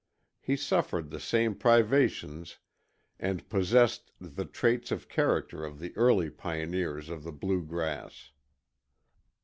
He suffered the same privations and possessed the traits of character of the early pioneers of the Blue Grass.